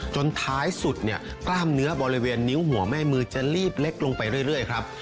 ท้ายสุดเนี่ยกล้ามเนื้อบริเวณนิ้วหัวแม่มือจะรีบเล็กลงไปเรื่อยครับ